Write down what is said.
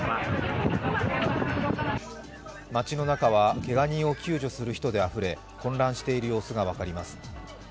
街の中はけが人を救助する人であふれ混乱している様子が分かります。